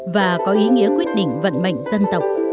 và có ý nghĩa quyết định vận mệnh dân tộc